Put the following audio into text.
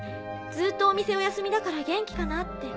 ずっとお店お休みだから元気かなって。